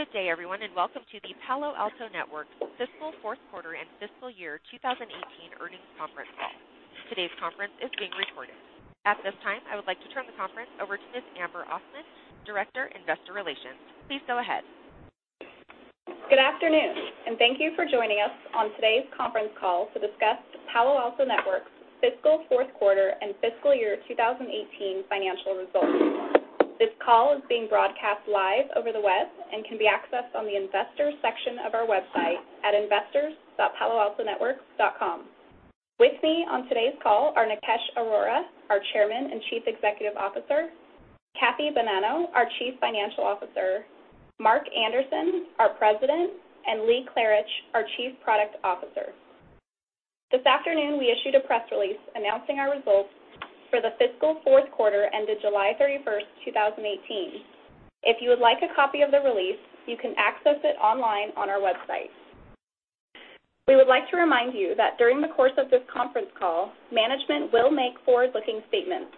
Good day everyone, welcome to the Palo Alto Networks fiscal fourth quarter and fiscal year 2018 earnings conference call. Today's conference is being recorded. At this time, I would like to turn the conference over to Miss Amber Osman, Director, Investor Relations. Please go ahead. Good afternoon, thank you for joining us on today's conference call to discuss Palo Alto Networks' fiscal fourth quarter and fiscal year 2018 financial results. This call is being broadcast live over the web and can be accessed on the investors section of our website at investors.paloaltonetworks.com. With me on today's call are Nikesh Arora, our Chairman and Chief Executive Officer, Kathy Bonanno, our Chief Financial Officer, Mark Anderson, our President, and Lee Klarich, our Chief Product Officer. This afternoon we issued a press release announcing our results for the fiscal fourth quarter ended July 31st, 2018. If you would like a copy of the release, you can access it online on our website. We would like to remind you that during the course of this conference call, management will make forward-looking statements,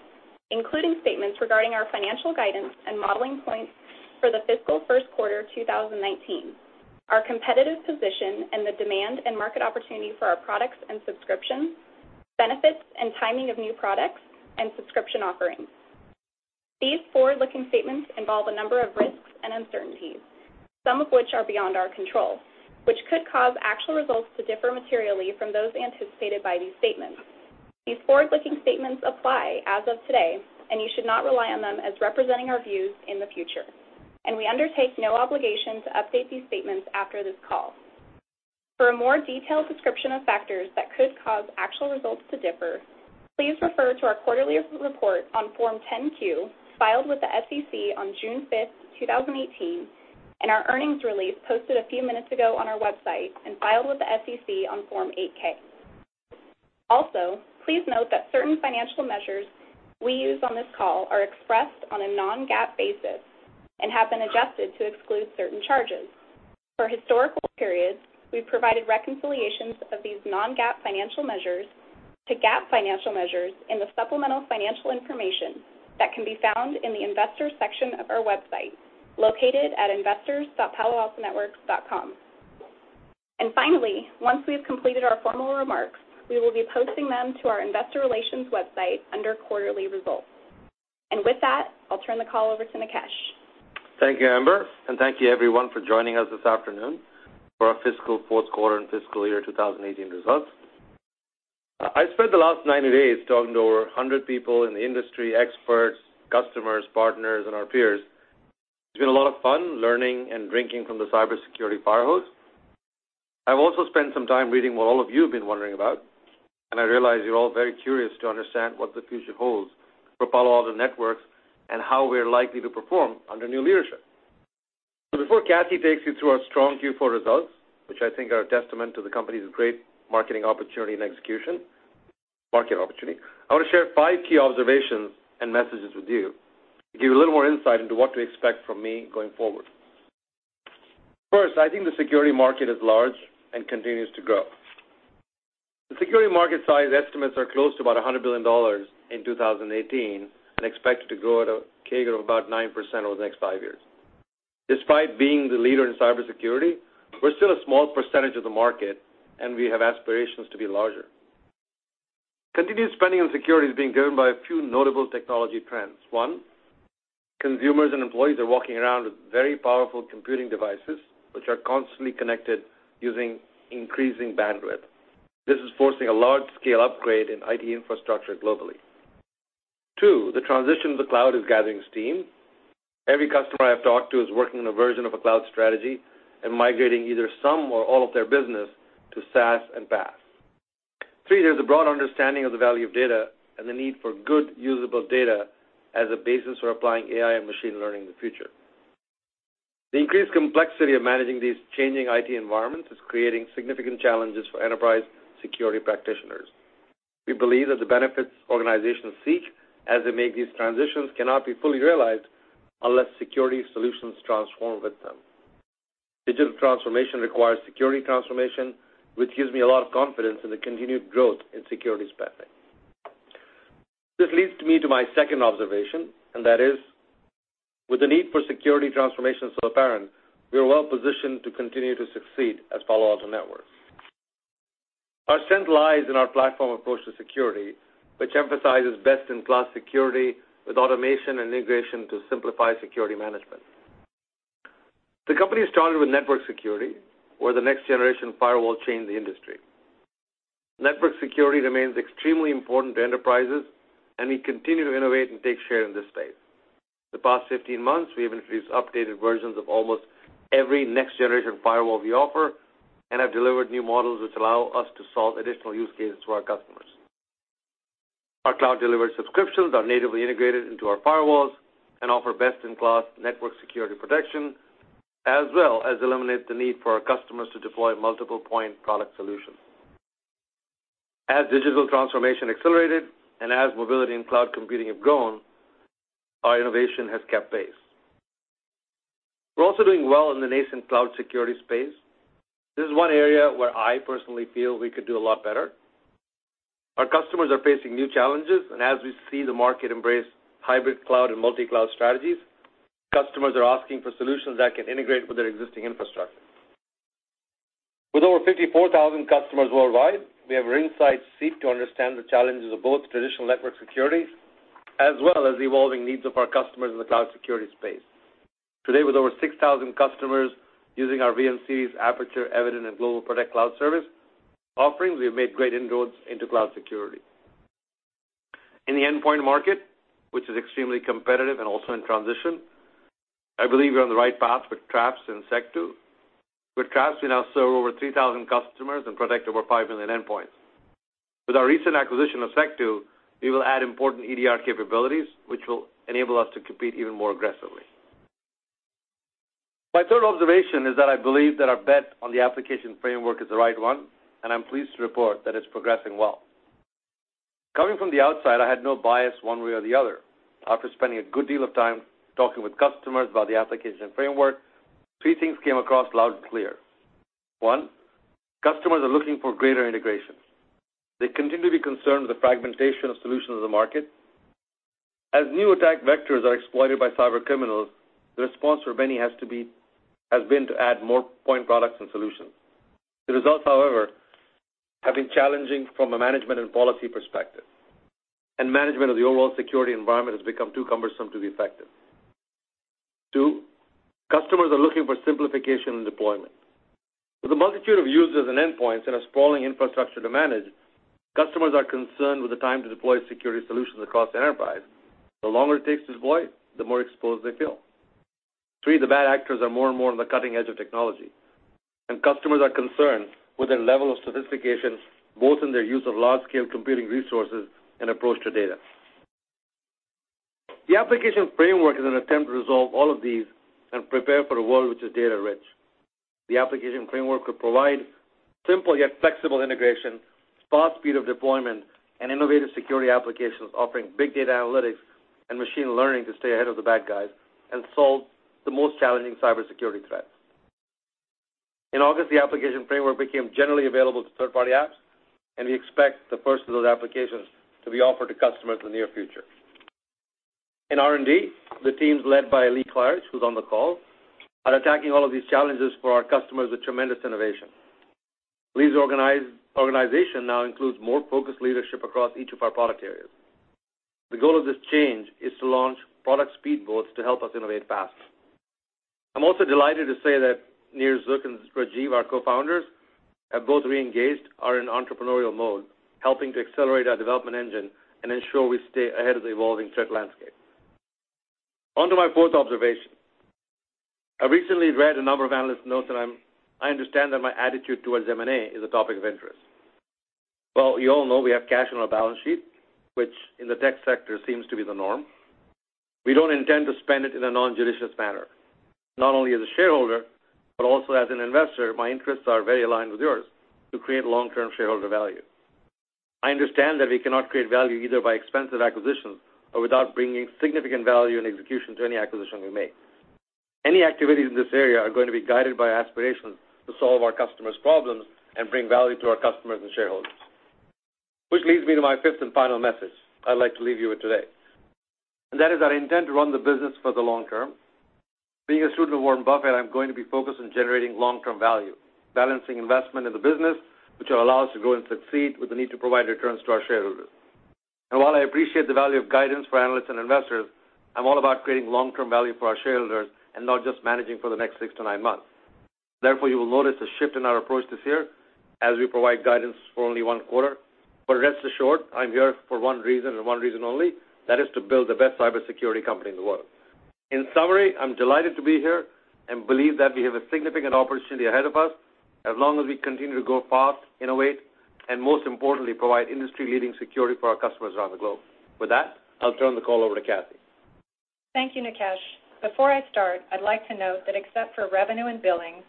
including statements regarding our financial guidance and modeling points for the fiscal first quarter 2019, our competitive position, and the demand and market opportunity for our products and subscriptions, benefits and timing of new products and subscription offerings. These forward-looking statements involve a number of risks and uncertainties, some of which are beyond our control, which could cause actual results to differ materially from those anticipated by these statements. These forward-looking statements apply as of today, you should not rely on them as representing our views in the future, and we undertake no obligation to update these statements after this call. For a more detailed description of factors that could cause actual results to differ, please refer to our quarterly report on Form 10-Q, filed with the SEC on June 5th, 2018, our earnings release posted a few minutes ago on our website and filed with the SEC on Form 8-K. Also, please note that certain financial measures we use on this call are expressed on a non-GAAP basis and have been adjusted to exclude certain charges. For historical periods, we've provided reconciliations of these non-GAAP financial measures to GAAP financial measures in the supplemental financial information that can be found in the investors section of our website, located at investors.paloaltonetworks.com. Finally, once we've completed our formal remarks, we will be posting them to our investor relations website under quarterly results. With that, I'll turn the call over to Nikesh. Thank you, Amber, and thank you everyone for joining us this afternoon for our fiscal fourth quarter and fiscal year 2018 results. I've spent the last 90 days talking to over 100 people in the industry, experts, customers, partners, and our peers. It's been a lot of fun learning and drinking from the cybersecurity fire hose. I've also spent some time reading what all of you have been wondering about, and I realize you're all very curious to understand what the future holds for Palo Alto Networks and how we're likely to perform under new leadership. Before Kathy takes you through our strong Q4 results, which I think are a testament to the company's great marketing opportunity and execution, market opportunity, I want to share five key observations and messages with you to give you a little more insight into what to expect from me going forward. First, I think the security market is large and continues to grow. The security market size estimates are close to about $100 billion in 2018 and expected to grow at a CAGR of about 9% over the next five years. Despite being the leader in cybersecurity, we're still a small percentage of the market, and we have aspirations to be larger. Continued spending on security is being driven by a few notable technology trends. One, consumers and employees are walking around with very powerful computing devices, which are constantly connected using increasing bandwidth. This is forcing a large-scale upgrade in IT infrastructure globally. Two, the transition to the cloud is gathering steam. Every customer I've talked to is working on a version of a cloud strategy and migrating either some or all of their business to SaaS and PaaS. Three, there's a broad understanding of the value of data and the need for good, usable data as a basis for applying AI and machine learning in the future. The increased complexity of managing these changing IT environments is creating significant challenges for enterprise security practitioners. We believe that the benefits organizations seek as they make these transitions cannot be fully realized unless security solutions transform with them. Digital transformation requires security transformation, which gives me a lot of confidence in the continued growth in security spending. This leads me to my second observation, and that is, with the need for security transformation so apparent, we are well positioned to continue to succeed as Palo Alto Networks. Our strength lies in our platform approach to security, which emphasizes best-in-class security with automation and integration to simplify security management. The company started with network security, where the Next-Generation Firewall changed the industry. Network security remains extremely important to enterprises, and we continue to innovate and take share in this space. The past 15 months, we have introduced updated versions of almost every Next-Generation Firewall we offer and have delivered new models which allow us to solve additional use cases to our customers. Our cloud-delivered subscriptions are natively integrated into our firewalls and offer best-in-class network security protection, as well as eliminate the need for our customers to deploy multiple point product solutions. As digital transformation accelerated and as mobility and cloud computing have grown, our innovation has kept pace. We're also doing well in the nascent cloud security space. This is one area where I personally feel we could do a lot better. Our customers are facing new challenges. As we see the market embrace hybrid cloud and multi-cloud strategies, customers are asking for solutions that can integrate with their existing infrastructure. With over 54,000 customers worldwide, we have insights seek to understand the challenges of both traditional network security as well as evolving needs of our customers in the cloud security space. Today, with over 6,000 customers using our VM-Series Aperture, Evident, and GlobalProtect cloud service offerings, we have made great inroads into cloud security. In the endpoint market, which is extremely competitive and also in transition, I believe we're on the right path with Traps and Secdo. With Traps, we now serve over 3,000 customers and protect over 5 million endpoints. With our recent acquisition of Secdo, we will add important EDR capabilities, which will enable us to compete even more aggressively. My third observation is that I believe that our bet on the Application Framework is the right one. I'm pleased to report that it's progressing well. Coming from the outside, I had no bias one way or the other. After spending a good deal of time talking with customers about the Application Framework, three things came across loud and clear. One, customers are looking for greater integration. They continue to be concerned with the fragmentation of solutions in the market. As new attack vectors are exploited by cyber criminals, the response for many has been to add more point products and solutions. The results, however, have been challenging from a management and policy perspective, and management of the overall security environment has become too cumbersome to be effective. Two, customers are looking for simplification in deployment. With a multitude of users and endpoints and a sprawling infrastructure to manage, customers are concerned with the time to deploy security solutions across the enterprise. The longer it takes to deploy, the more exposed they feel. Three, the bad actors are more and more on the cutting edge of technology. Customers are concerned with their level of sophistication, both in their use of large-scale computing resources and approach to data. The Application Framework is an attempt to resolve all of these and prepare for a world which is data rich. The Application Framework could provide simple yet flexible integration, spot speed of deployment, and innovative security applications offering big data analytics and machine learning to stay ahead of the bad guys and solve the most challenging cybersecurity threats. In August, the Application Framework became generally available to third-party apps. We expect the first of those applications to be offered to customers in the near future. In R&D, the teams led by Lee Klarich, who's on the call, are attacking all of these challenges for our customers with tremendous innovation. Lee's organization now includes more focused leadership across each of our product areas. The goal of this change is to launch product speed boats to help us innovate faster. I'm also delighted to say that Nir Zuk and Rajiv, our co-founders, have both reengaged, are in entrepreneurial mode, helping to accelerate our development engine and ensure we stay ahead of the evolving threat landscape. Onto my fourth observation. I recently read a number of analyst notes. I understand that my attitude towards M&A is a topic of interest. Well, you all know we have cash on our balance sheet, which in the tech sector seems to be the norm. We don't intend to spend it in a non-judicious manner. Not only as a shareholder, but also as an investor, my interests are very aligned with yours to create long-term shareholder value. I understand that we cannot create value either by expensive acquisitions or without bringing significant value and execution to any acquisition we make. Any activities in this area are going to be guided by aspirations to solve our customers' problems and bring value to our customers and shareholders. Which leads me to my fifth and final message I'd like to leave you with today, and that is that I intend to run the business for the long term. Being a student of Warren Buffett, I'm going to be focused on generating long-term value, balancing investment in the business, which will allow us to grow and succeed with the need to provide returns to our shareholders. While I appreciate the value of guidance for analysts and investors, I'm all about creating long-term value for our shareholders and not just managing for the next six to nine months. Therefore, you will notice a shift in our approach this year as we provide guidance for only one quarter. Rest assured, I'm here for one reason and one reason only. That is to build the best cybersecurity company in the world. In summary, I'm delighted to be here and believe that we have a significant opportunity ahead of us as long as we continue to go fast, innovate, and most importantly, provide industry-leading security for our customers around the globe. With that, I'll turn the call over to Kathy. Thank you, Nikesh. Before I start, I'd like to note that except for revenue and billing,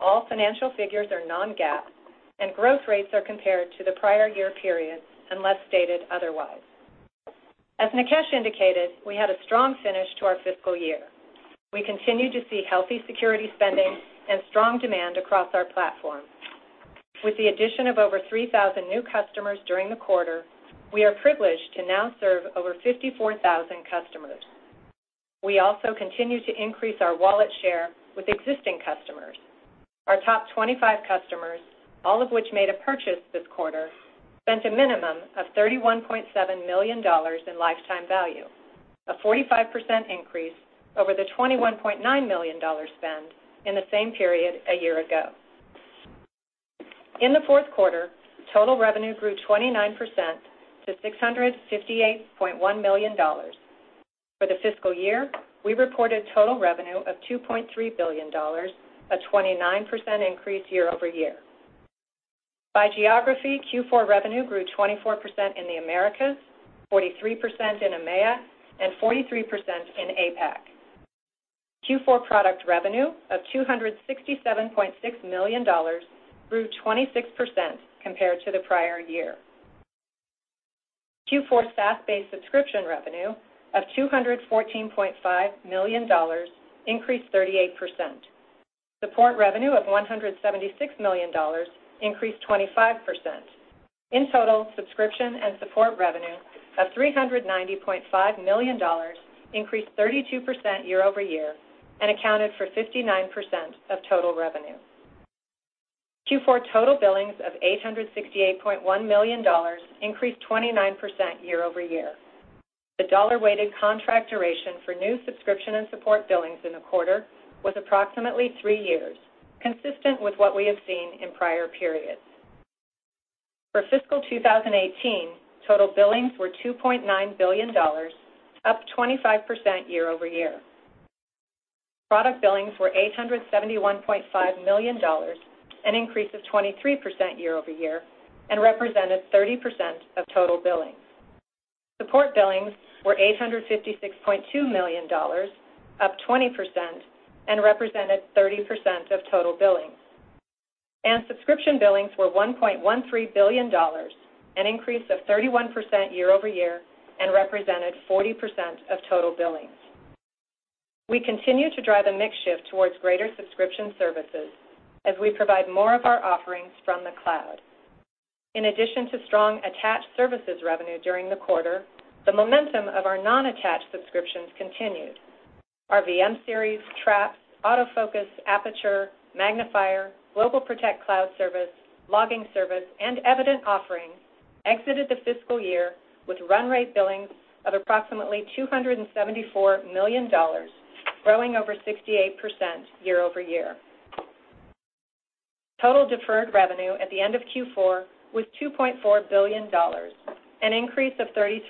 all financial figures are non-GAAP, and growth rates are compared to the prior year periods unless stated otherwise. As Nikesh indicated, we had a strong finish to our fiscal year. We continue to see healthy security spending and strong demand across our platform. With the addition of over 3,000 new customers during the quarter, we are privileged to now serve over 54,000 customers. We also continue to increase our wallet share with existing customers. Our top 25 customers, all of which made a purchase this quarter, spent a minimum of $31.7 million in lifetime value, a 45% increase over the $21.9 million spend in the same period a year ago. In the fourth quarter, total revenue grew 29% to $658.1 million. For the fiscal year, we reported total revenue of $2.3 billion, a 29% increase year-over-year. By geography, Q4 revenue grew 24% in the Americas, 43% in EMEA, and 43% in APAC. Q4 product revenue of $267.6 million grew 26% compared to the prior year. Q4 SaaS-based subscription revenue of $214.5 million, increased 38%. Support revenue of $176 million, increased 25%. In total, subscription and support revenue of $390.5 million increased 32% year-over-year and accounted for 59% of total revenue. Q4 total billings of $868.1 million increased 29% year-over-year. The dollar-weighted contract duration for new subscription and support billings in the quarter was approximately three years, consistent with what we have seen in prior periods. For fiscal 2018, total billings were $2.9 billion, up 25% year-over-year. Product billings were $871.5 million, an increase of 23% year-over-year, and represented 30% of total billings. Support billings were $856.2 million, up 20%, and represented 30% of total billings. Subscription billings were $1.13 billion, an increase of 31% year-over-year and represented 40% of total billings. We continue to drive a mix shift towards greater subscription services as we provide more of our offerings from the cloud. In addition to strong attached services revenue during the quarter, the momentum of our non-attached subscriptions continued. Our VM-Series, Traps, AutoFocus, Aperture, Magnifier, GlobalProtect cloud service, Logging Service, and Evident offerings exited the fiscal year with run rate billings of approximately $274 million, growing over 68% year-over-year. Total deferred revenue at the end of Q4 was $2.4 billion, an increase of 33%.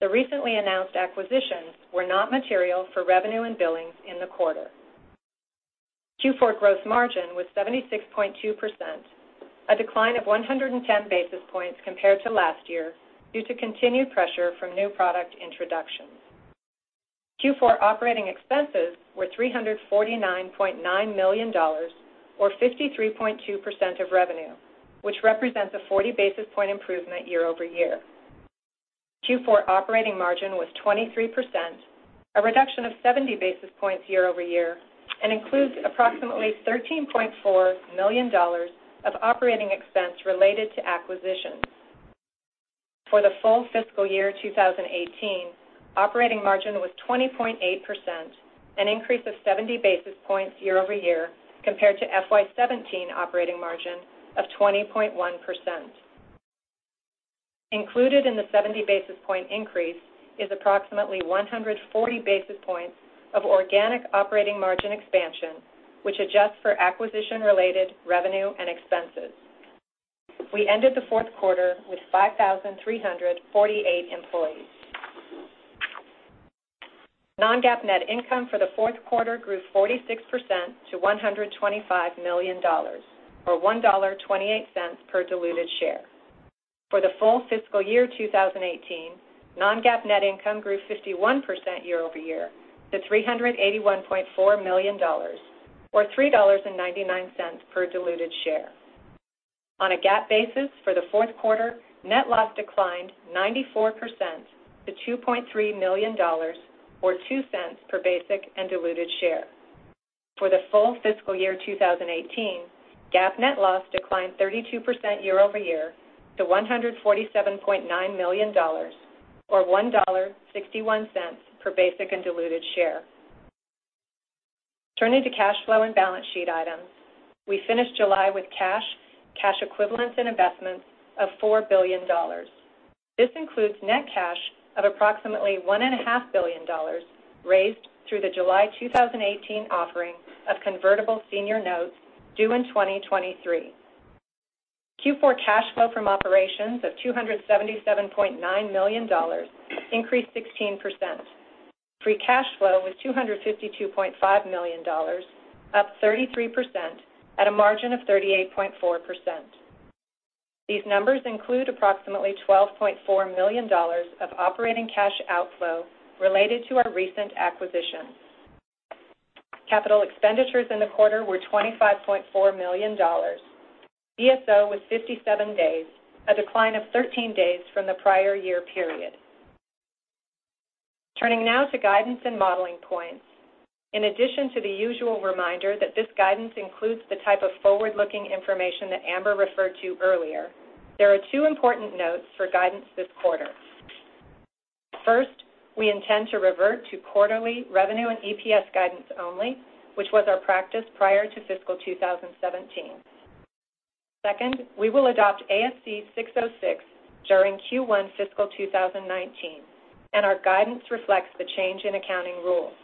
The recently announced acquisitions were not material for revenue and billings in the quarter. Q4 gross margin was 76.2%, a decline of 110 basis points compared to last year due to continued pressure from new product introductions. Q4 operating expenses were $349.9 million or 53.2% of revenue, which represents a 40 basis point improvement year-over-year. Q4 operating margin was 23%, a reduction of 70 basis points year-over-year, and includes approximately $13.4 million of operating expense related to acquisitions. For the full fiscal year 2018, operating margin was 20.8%, an increase of 70 basis points year-over-year compared to FY 2017 operating margin of 20.1%. Included in the 70 basis point increase is approximately 140 basis points of organic operating margin expansion, which adjusts for acquisition-related revenue and expenses. We ended the fourth quarter with 5,348 employees. non-GAAP net income for the fourth quarter grew 46% to $125 million, or $1.28 per diluted share. For the full fiscal year 2018, non-GAAP net income grew 51% year-over-year to $381.4 million, or $3.99 per diluted share. On a GAAP basis for the fourth quarter, net loss declined 94% to $2.3 million, or $0.02 per basic and diluted share. For the full fiscal year 2018, GAAP net loss declined 32% year-over-year to $147.9 million, or $1.61 per basic and diluted share. Turning to cash flow and balance sheet items. We finished July with cash equivalents, and investments of $4 billion. This includes net cash of approximately $1.5 billion raised through the July 2018 offering of convertible senior notes due in 2023. Q4 cash flow from operations of $277.9 million increased 16%. Free cash flow was $252.5 million, up 33%, at a margin of 38.4%. These numbers include approximately $12.4 million of operating cash outflow related to our recent acquisitions. Capital expenditures in the quarter were $25.4 million. DSO was 57 days, a decline of 13 days from the prior year period. Turning now to guidance and modeling points. In addition to the usual reminder that this guidance includes the type of forward-looking information that Amber referred to earlier, there are two important notes for guidance this quarter. First, we intend to revert to quarterly revenue and EPS guidance only, which was our practice prior to fiscal 2017. Second, we will adopt ASC 606 during Q1 fiscal 2019, and our guidance reflects the change in accounting rules.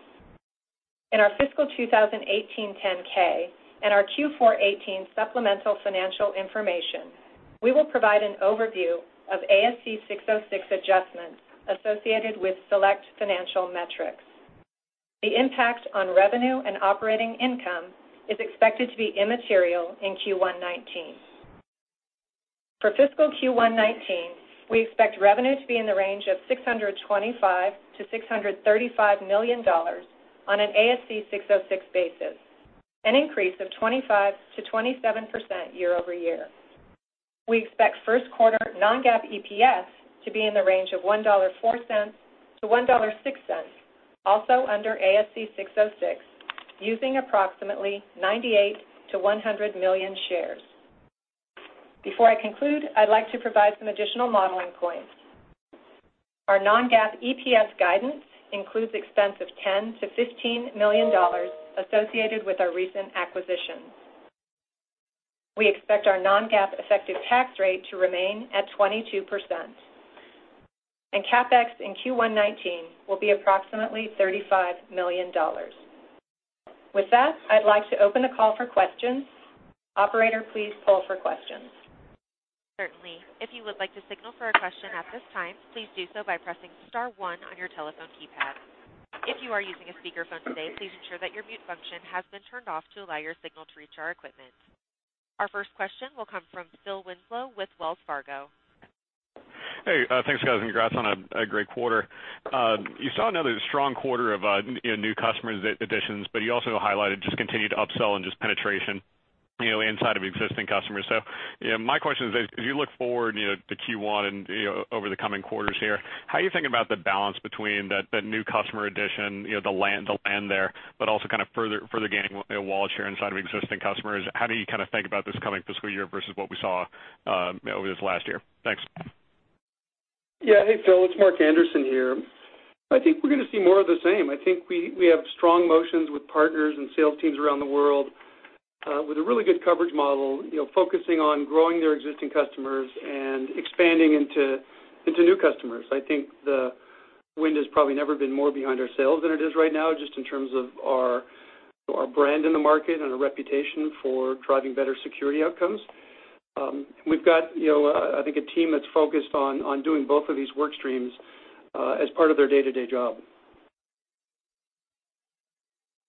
In our fiscal 2018 10-K and our Q4 2018 supplemental financial information, we will provide an overview of ASC 606 adjustments associated with select financial metrics. The impact on revenue and operating income is expected to be immaterial in Q1 2019. For fiscal Q1 2019, we expect revenue to be in the range of $625 million-$635 million on an ASC 606 basis. An increase of 25%-27% year-over-year. We expect first quarter non-GAAP EPS to be in the range of $1.04-$1.06, also under ASC 606, using approximately 98 million-100 million shares. Before I conclude, I'd like to provide some additional modeling points. Our non-GAAP EPS guidance includes expense of $10 million-$15 million associated with our recent acquisitions. We expect our non-GAAP effective tax rate to remain at 22%, and CapEx in Q1 2019 will be approximately $35 million. With that, I'd like to open the call for questions. Operator, please poll for questions. Certainly. If you would like to signal for a question at this time, please do so by pressing star one on your telephone keypad. If you are using a speakerphone today, please ensure that your mute function has been turned off to allow your signal to reach our equipment. Our first question will come from Phil Winslow with Wells Fargo. Hey, thanks guys. Congrats on a great quarter. You saw another strong quarter of new customers additions, but you also highlighted just continued upsell and just penetration inside of existing customers. My question is, as you look forward to Q1 and over the coming quarters here, how are you thinking about the balance between the new customer addition, the land there, but also kind of further gaining wallet share inside of existing customers? How do you think about this coming fiscal year versus what we saw over this last year? Thanks. Yeah. Hey, Phil, it's Mark Anderson here. I think we're going to see more of the same. I think we have strong motions with partners and sales teams around the world with a really good coverage model, focusing on growing their existing customers and expanding into new customers. I think the wind has probably never been more behind our sales than it is right now, just in terms of our brand in the market and our reputation for driving better security outcomes. We've got, I think, a team that's focused on doing both of these work streams as part of their day-to-day job.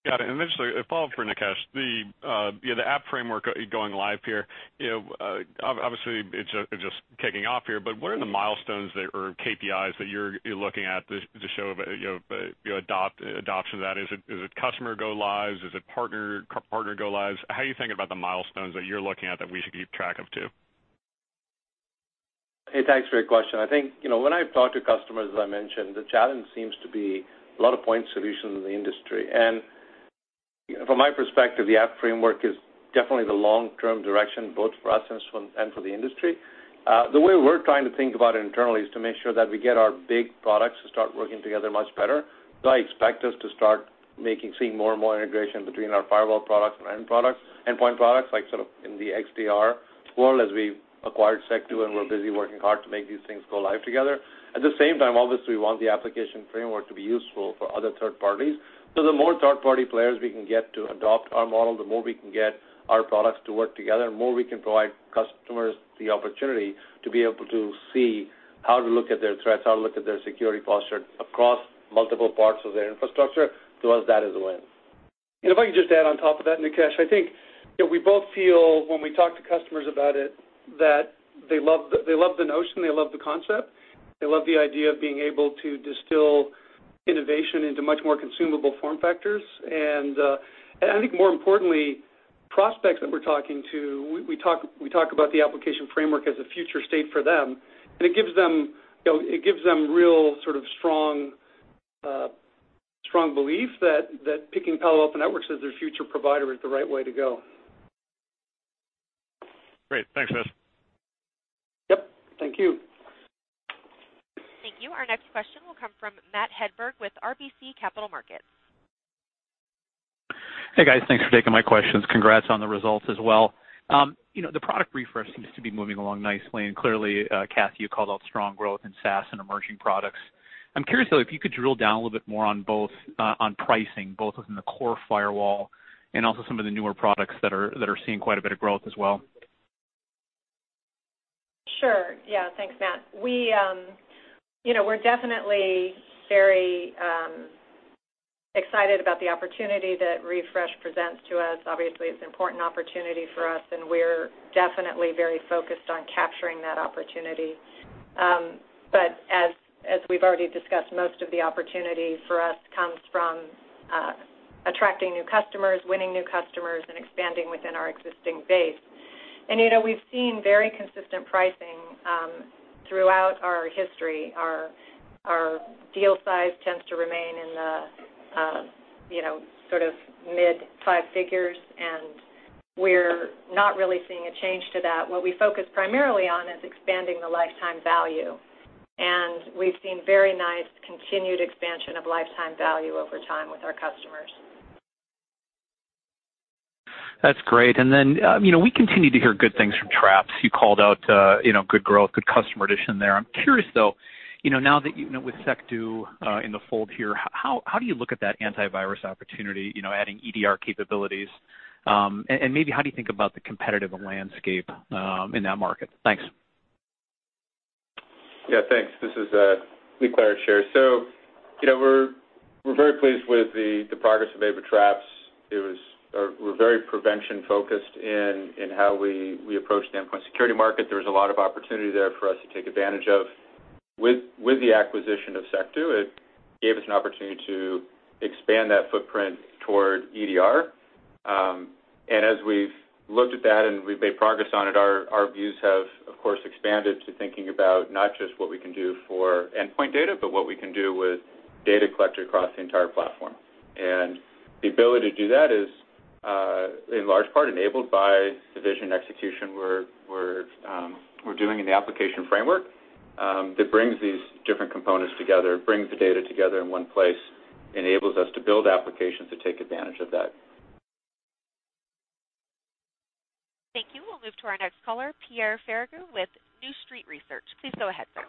Got it. Just a follow-up for Nikesh. The Application Framework going live here, obviously it's just kicking off here, but what are the milestones or KPIs that you're looking at to show adoption of that? Is it customer go lives? Is it partner go lives? How are you thinking about the milestones that you're looking at that we should keep track of, too? Hey, thanks for your question. I think, when I've talked to customers, as I mentioned, the challenge seems to be a lot of point solutions in the industry. From my perspective, the Application Framework is definitely the long-term direction, both for us and for the industry. The way we're trying to think about it internally is to make sure that we get our big products to start working together much better. I expect us to start seeing more and more integration between our firewall products and endpoint products, like sort of in the XDR world as we acquired Secdo, and we're busy working hard to make these things go live together. At the same time, obviously, we want the Application Framework to be useful for other third parties. The more third-party players we can get to adopt our model, the more we can get our products to work together, the more we can provide customers the opportunity to be able to see how to look at their threats, how to look at their security posture across multiple parts of their infrastructure. To us, that is a win. If I could just add on top of that, Nikesh, I think that we both feel when we talk to customers about it, that they love the notion, they love the concept. They love the idea of being able to distill innovation into much more consumable form factors. I think more importantly, prospects that we're talking to, we talk about the Application Framework as a future state for them, and it gives them real sort of strong belief that picking Palo Alto Networks as their future provider is the right way to go. Great. Thanks, guys. Yep. Thank you. Thank you. Our next question will come from Matt Hedberg with RBC Capital Markets. Hey, guys. Thanks for taking my questions. Congrats on the results as well. The product refresh seems to be moving along nicely, and clearly, Kathy, you called out strong growth in SaaS and emerging products. I'm curious, though, if you could drill down a little bit more on pricing, both within the core firewall and also some of the newer products that are seeing quite a bit of growth as well. Sure. Yeah, thanks, Matt. We're definitely very excited about the opportunity that refresh presents to us. Obviously, it's an important opportunity for us, and we're definitely very focused on capturing that opportunity. As we've already discussed, most of the opportunity for us comes from attracting new customers, winning new customers, and expanding within our existing base. We've seen very consistent pricing throughout our history. Our deal size tends to remain in the sort of mid five figures, and we're not really seeing a change to that. What we focus primarily on is expanding the lifetime value, and we've seen very nice continued expansion of lifetime value over time with our customers. That's great. Then, we continue to hear good things from Traps. You called out good growth, good customer addition there. I'm curious, though, now with Secdo in the fold here, how do you look at that antivirus opportunity, adding EDR capabilities? Maybe how do you think about the competitive landscape in that market? Thanks. Yeah, thanks. This is Lee Klarich here. We're very pleased with the progress of Traps. We're very prevention-focused in how we approach the endpoint security market. There's a lot of opportunity there for us to take advantage of. With the acquisition of Secdo, it gave us an opportunity to expand that footprint toward EDR. As we've looked at that and we've made progress on it, our views have, of course, expanded to thinking about not just what we can do for endpoint data, but what we can do with data collected across the entire platform. The ability to do that is in large part enabled by the vision execution we're doing in the Application Framework that brings these different components together, brings the data together in one place, enables us to build applications to take advantage of that. Thank you. We'll move to our next caller, Pierre Ferragu with New Street Research. Please go ahead, sir.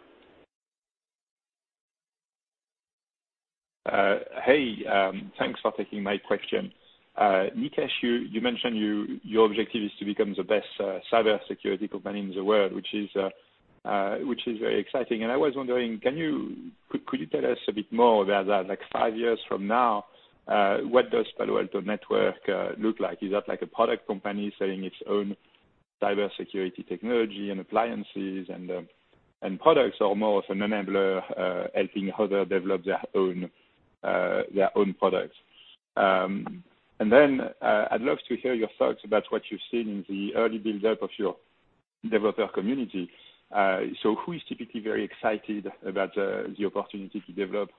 Thanks for taking my question. Nikesh, you mentioned your objective is to become the best cybersecurity company in the world, which is very exciting. I was wondering, could you tell us a bit more about that, like 5 years from now, what does Palo Alto Networks look like? Is that like a product company selling its own cybersecurity technology and appliances and products, or more of an enabler helping others develop their own products? Then, I'd love to hear your thoughts about what you've seen in the early build-up of your developer community. Who is typically very excited about the opportunity to develop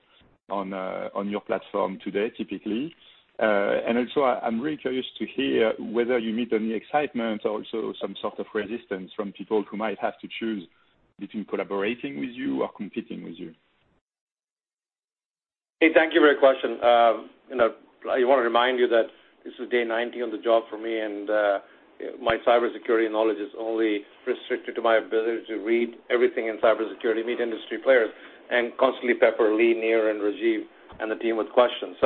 on your platform today, typically? Also, I'm really curious to hear whether you meet any excitement or also some sort of resistance from people who might have to choose between collaborating with you or competing with you. Thank you for your question. I want to remind you that this is day 90 on the job for me, and my cybersecurity knowledge is only restricted to my ability to read everything in cybersecurity, meet industry players, and constantly pepper Lee, Nir, and Rajiv, and the team with questions.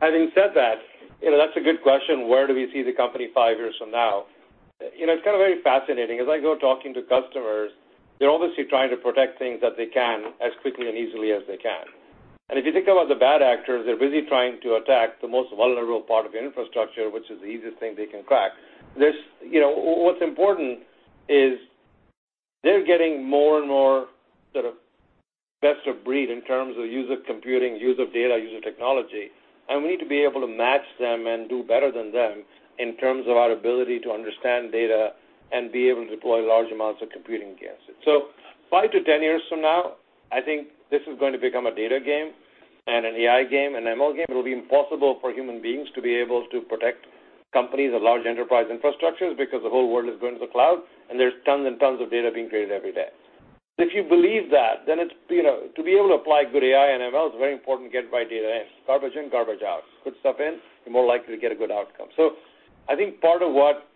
Having said that's a good question, where do we see the company 5 years from now? It's kind of very fascinating. As I go talking to customers, they're obviously trying to protect things that they can as quickly and easily as they can. If you think about the bad actors, they're busy trying to attack the most vulnerable part of the infrastructure, which is the easiest thing they can crack. What's important is they're getting more and more sort of best of breed in terms of use of computing, use of data, use of technology, and we need to be able to match them and do better than them in terms of our ability to understand data and be able to deploy large amounts of computing against it. 5 to 10 years from now, I think this is going to become a data game and an AI game, an ML game. It will be impossible for human beings to be able to protect companies or large enterprise infrastructures because the whole world is going to the cloud and there's tons and tons of data being created every day. If you believe that, then to be able to apply good AI and ML, it's very important to get the right data in. Garbage in, garbage out. Good stuff in, you're more likely to get a good outcome. I think part of what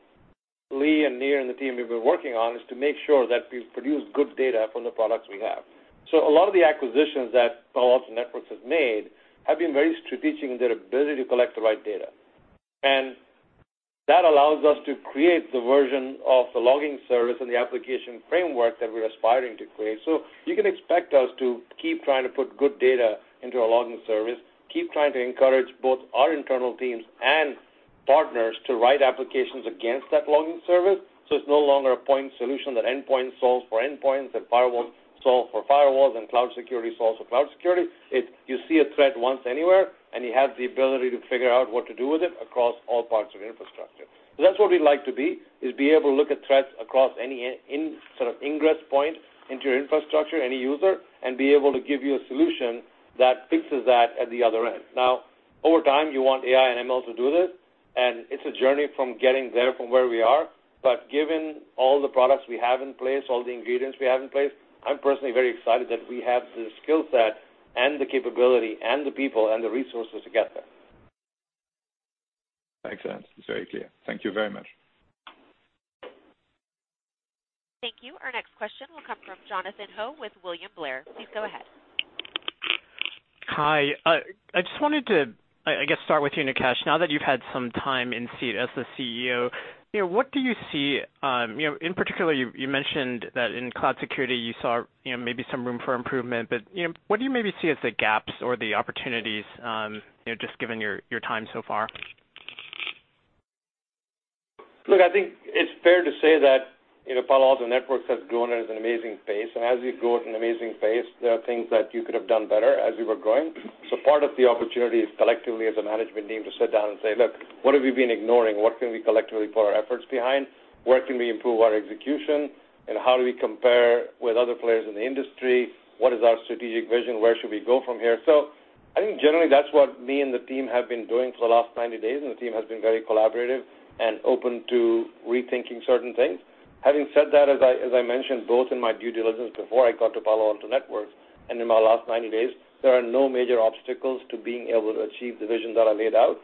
Lee and Nir and the team have been working on is to make sure that we produce good data from the products we have. A lot of the acquisitions that Palo Alto Networks has made have been very strategic in their ability to collect the right data. That allows us to create the version of the Logging Service and the Application Framework that we're aspiring to create. You can expect us to keep trying to put good data into our Logging Service, keep trying to encourage both our internal teams and partners to write applications against that Logging Service, so it's no longer a point solution that endpoint solves for endpoint, that firewalls solve for firewalls, and cloud security solves for cloud security. It's you see a threat once anywhere, and you have the ability to figure out what to do with it across all parts of your infrastructure. That's what we'd like to be, is be able to look at threats across any sort of ingress point into your infrastructure, any user, and be able to give you a solution that fixes that at the other end. Over time, you want AI and ML to do this, and it's a journey from getting there from where we are. Given all the products we have in place, all the ingredients we have in place, I'm personally very excited that we have the skill set and the capability and the people and the resources to get there. Excellent. It's very clear. Thank you very much. Thank you. Our next question will come from Jonathan Ho with William Blair. Please go ahead. Hi. I just wanted to, I guess, start with you, Nikesh. Now that you've had some time in seat as the CEO, what do you see In particular, you mentioned that in cloud security, you saw maybe some room for improvement, what do you maybe see as the gaps or the opportunities, just given your time so far? Look, I think it's fair to say that Palo Alto Networks has grown at an amazing pace, as you grow at an amazing pace, there are things that you could have done better as you were growing. Part of the opportunity is collectively as a management team to sit down and say, "Look, what have we been ignoring? What can we collectively put our efforts behind? Where can we improve our execution, how do we compare with other players in the industry? What is our strategic vision? Where should we go from here?" I think generally, that's what me and the team have been doing for the last 90 days, and the team has been very collaborative and open to rethinking certain things. Having said that, as I mentioned, both in my due diligence before I got to Palo Alto Networks and in my last 90 days, there are no major obstacles to being able to achieve the vision that I laid out.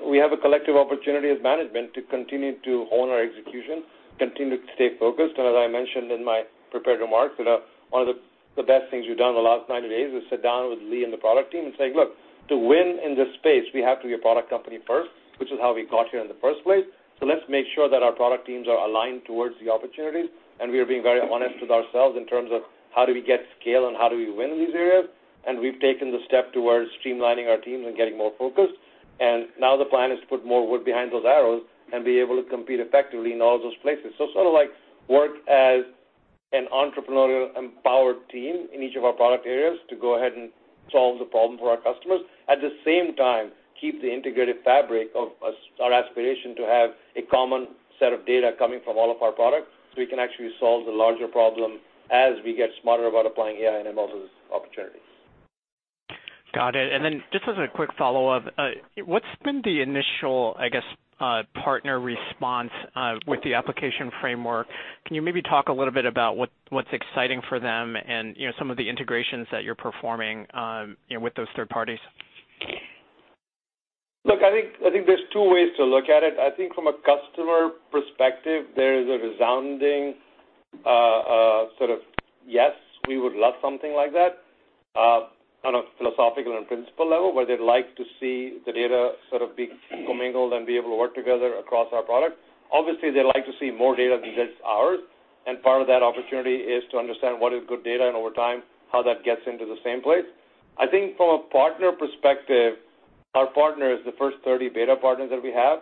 We have a collective opportunity as management to continue to hone our execution, continue to stay focused. As I mentioned in my prepared remarks, one of the best things we've done in the last 90 days is sit down with Lee and the product team and say, "Look, to win in this space, we have to be a product company first, which is how we got here in the first place. Let's make sure that our product teams are aligned towards the opportunities, and we are being very honest with ourselves in terms of how do we get scale and how do we win in these areas. We've taken the step towards streamlining our teams and getting more focused. Now the plan is to put more wood behind those arrows and be able to compete effectively in all those places. Sort of work as an entrepreneurial empowered team in each of our product areas to go ahead and solve the problem for our customers. At the same time, keep the integrated fabric of our aspiration to have a common set of data coming from all of our products, so we can actually solve the larger problem as we get smarter about applying AI and ML to those opportunities. Got it. Just as a quick follow-up, what's been the initial, I guess, partner response, with the Application Framework? Can you maybe talk a little bit about what's exciting for them and some of the integrations that you're performing with those third parties? I think there's two ways to look at it. I think from a customer perspective, there is a resounding sort of, "Yes, we would love something like that," on a philosophical and principle level, where they'd like to see the data sort of be commingled and be able to work together across our product. Obviously, they'd like to see more data than just ours, and part of that opportunity is to understand what is good data, and over time, how that gets into the same place. I think from a partner perspective, our partners, the first 30 beta partners that we have,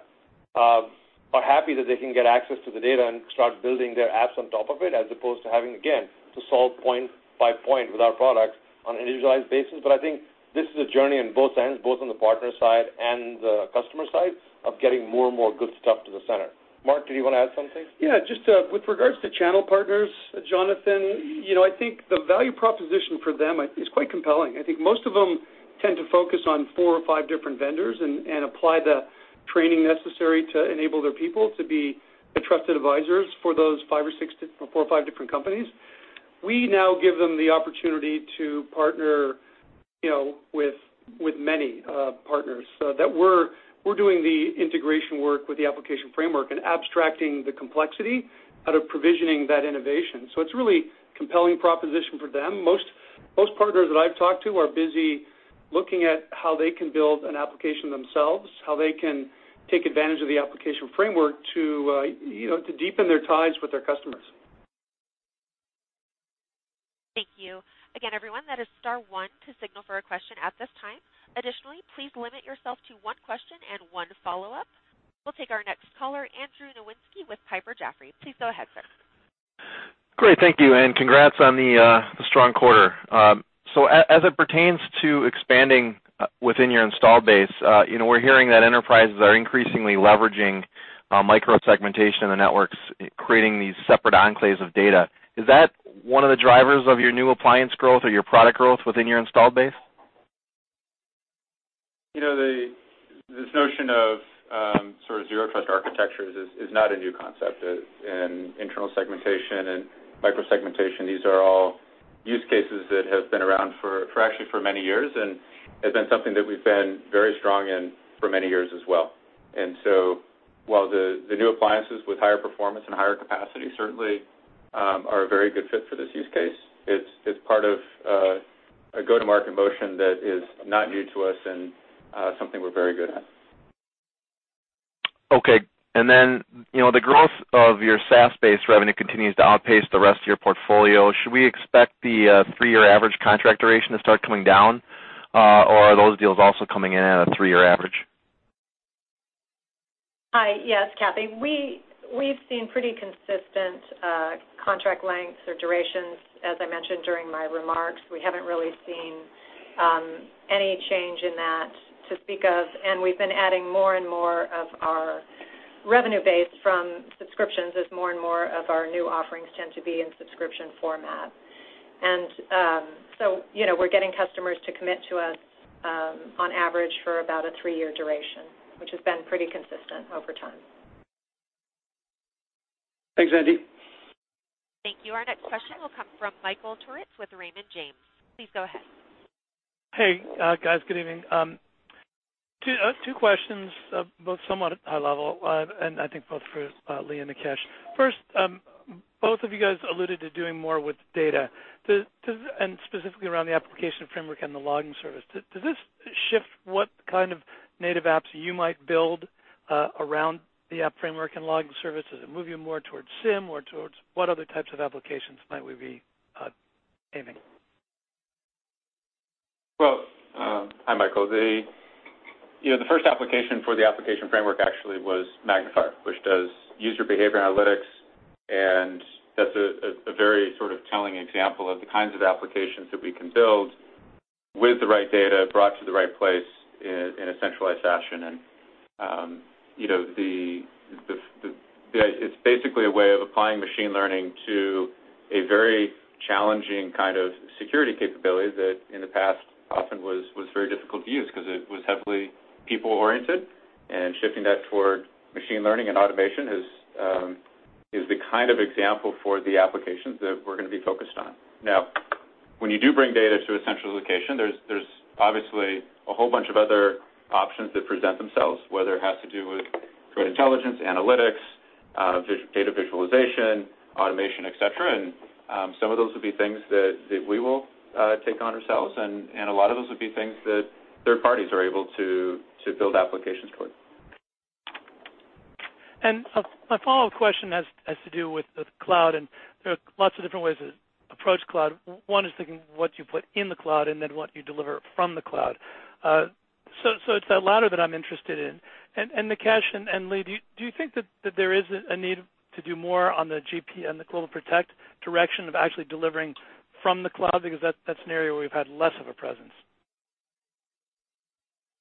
are happy that they can get access to the data and start building their apps on top of it, as opposed to having, again, to solve point by point with our products on an individualized basis. I think this is a journey on both ends, both on the partner side and the customer side, of getting more and more good stuff to the center. Mark, do you want to add something? Just with regards to channel partners, Jonathan, I think the value proposition for them is quite compelling. I think most of them tend to focus on four or five different vendors and apply the training necessary to enable their people to be the trusted advisors for those four or five different companies. We now give them the opportunity to partner with many partners, that we're doing the integration work with the Application Framework and abstracting the complexity out of provisioning that innovation. It's really compelling proposition for them. Most partners that I've talked to are busy looking at how they can build an application themselves, how they can take advantage of the Application Framework to deepen their ties with their customers. Thank you. Again, everyone, that is star one to signal for a question at this time. Additionally, please limit yourself to one question and one follow-up. We'll take our next caller, Andrew Nowinski with Piper Jaffray. Please go ahead, sir. Great, thank you, congrats on the strong quarter. As it pertains to expanding within your install base, we're hearing that enterprises are increasingly leveraging micro-segmentation in the networks, creating these separate enclaves of data. Is that one of the drivers of your new appliance growth or your product growth within your installed base? This notion of sort of zero trust architectures is not a new concept. Internal segmentation and micro-segmentation, these are all use cases that have been around for actually for many years and has been something that we've been very strong in for many years as well. While the new appliances with higher performance and higher capacity certainly are a very good fit for this use case, it's part of a go-to-market motion that is not new to us and something we're very good at. Okay. The growth of your SaaS-based revenue continues to outpace the rest of your portfolio. Should we expect the three-year average contract duration to start coming down? Or are those deals also coming in at a three-year average? Hi, yes, Kathy. We've seen pretty consistent contract lengths or durations, as I mentioned during my remarks. We haven't really seen any change in that to speak of, we've been adding more and more of our revenue base from subscriptions as more and more of our new offerings tend to be in subscription format. So we're getting customers to commit to us, on average, for about a three-year duration, which has been pretty consistent over time. Thanks, Andy. Thank you. Our next question will come from Michael Turits with Raymond James. Please go ahead. Hey, guys. Good evening. Two questions, both somewhat high level, and I think both for Lee and Nikesh. First, both of you guys alluded to doing more with data. Specifically around the Application Framework and the Logging Service. Does this shift what kind of native apps you might build around the Application Framework and Logging Service? Does it move you more towards SIEM or towards what other types of applications might we be aiming? Well, hi, Michael. The first application for the Application Framework actually was Magnifier, which does user behavior analytics, and that's a very sort of telling example of the kinds of applications that we can build with the right data brought to the right place in a centralized fashion. It's basically a way of applying machine learning to a very challenging kind of security capability that in the past often was very difficult to use because it was heavily people-oriented. Shifting that toward machine learning and automation is the kind of example for the applications that we're going to be focused on. Now, when you do bring data to a central location, there's obviously a whole bunch of other options that present themselves, whether it has to do with threat intelligence, analytics, data visualization, automation, et cetera, and some of those will be things that we will take on ourselves, and a lot of those will be things that third parties are able to build applications toward. My follow-up question has to do with the cloud, and there are lots of different ways to approach cloud. One is thinking what you put in the cloud and then what you deliver from the cloud. It's that latter that I'm interested in. Nikesh and Lee, do you think that there is a need to do more on the GlobalProtect and the GlobalProtect direction of actually delivering from the cloud? Because that's an area where we've had less of a presence.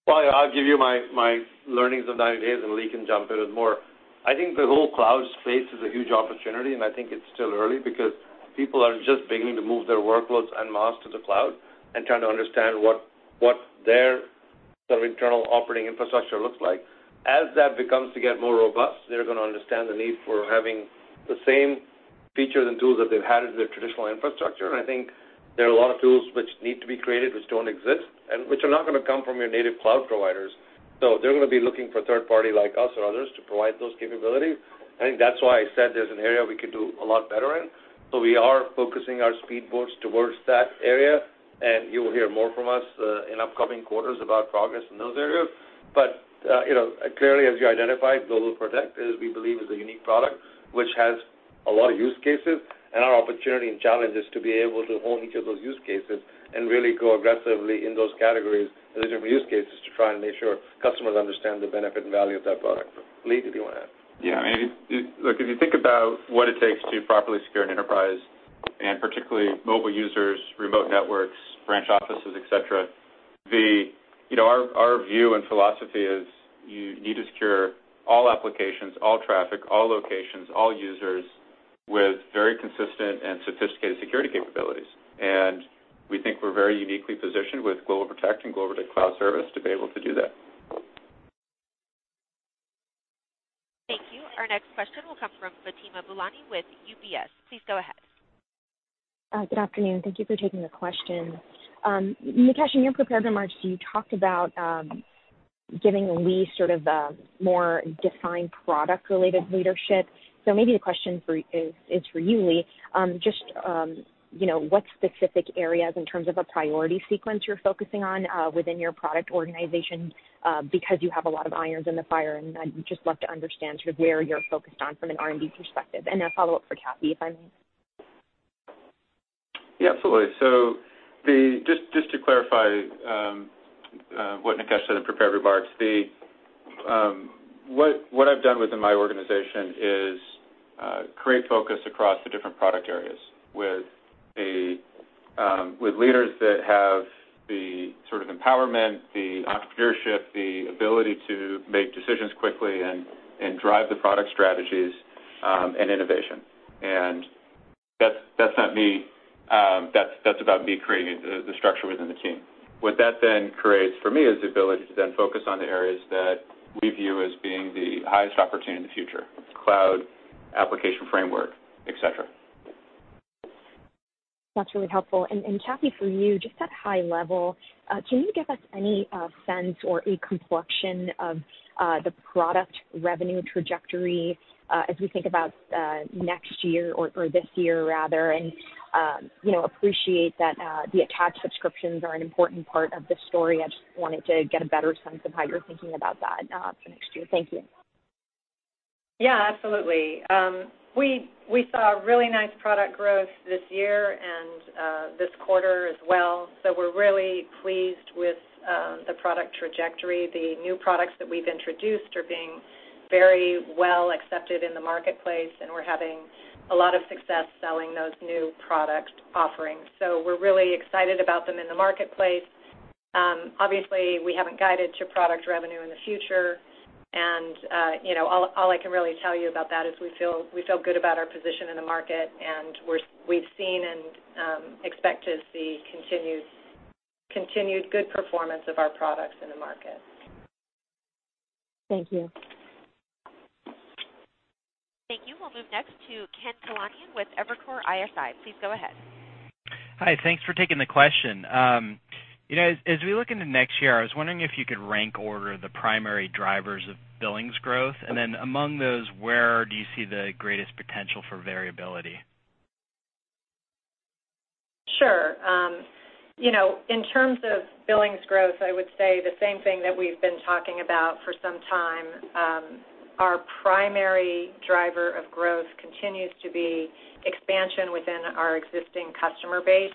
Well, I'll give you my learnings of 90 days, Lee can jump in with more. I think the whole cloud space is a huge opportunity, I think it's still early because people are just beginning to move their workloads en masse to the cloud and trying to understand what their internal operating infrastructure looks like. As that becomes to get more robust, they're going to understand the need for having the same features and tools that they've had in their traditional infrastructure. I think there are a lot of tools which need to be created, which don't exist, and which are not going to come from your native cloud providers. They're going to be looking for third party like us or others to provide those capabilities. I think that's why I said there's an area we could do a lot better in. We are focusing our speed boats towards that area, you'll hear more from us in upcoming quarters about progress in those areas. Clearly, as you identified, GlobalProtect, we believe is a unique product which has a lot of use cases, and our opportunity and challenge is to be able to own each of those use cases and really go aggressively in those categories and those different use cases to try and make sure customers understand the benefit and value of that product. Lee, did you want to add? Yeah. Look, if you think about what it takes to properly secure an enterprise, and particularly mobile users, remote networks, branch offices, et cetera, our view and philosophy is you need to secure all applications, all traffic, all locations, all users with very consistent and sophisticated security capabilities. We think we're very uniquely positioned with GlobalProtect and GlobalProtect cloud service to be able to do that. Thank you. Our next question will come from Fatima Boolani with UBS. Please go ahead. Good afternoon. Thank you for taking the question. Nikesh, in your prepared remarks, you talked about giving Lee sort of a more defined product-related leadership. Maybe the question is for you, Lee. Just what specific areas in terms of a priority sequence you're focusing on within your product organization, because you have a lot of irons in the fire, and I'd just love to understand sort of where you're focused on from an R&D perspective. A follow-up for Kathy, if I may. Yeah, absolutely. Just to clarify what Nikesh said in prepared remarks, what I've done within my organization is create focus across the different product areas with leaders that have the sort of empowerment, the entrepreneurship, the ability to make decisions quickly and drive the product strategies and innovation. That's about me creating the structure within the team. What that then creates for me is the ability to then focus on the areas that we view as being the highest opportunity in the future, cloud, Application Framework, et cetera. That's really helpful. Kathy, for you, just at a high level, can you give us any sense or a complexion of the product revenue trajectory as we think about next year or this year rather, and appreciate that the attached subscriptions are an important part of the story. I just wanted to get a better sense of how you're thinking about that for next year. Thank you. Yeah, absolutely. We saw really nice product growth this year and this quarter as well. We're really pleased with the product trajectory. The new products that we've introduced are being very well accepted in the marketplace, and we're having a lot of success selling those new product offerings. We're really excited about them in the marketplace. Obviously, we haven't guided to product revenue in the future. All I can really tell you about that is we feel good about our position in the market, and we've seen and expect to see continued good performance of our products in the market. Thank you. Thank you. We'll move next to Ken Talanian with Evercore ISI. Please go ahead. Hi. Thanks for taking the question. As we look into next year, I was wondering if you could rank order the primary drivers of billings growth, and then among those, where do you see the greatest potential for variability? Sure. In terms of billings growth, I would say the same thing that we've been talking about for some time. Our primary driver of growth continues to be expansion within our existing customer base